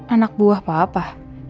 anak buah bapak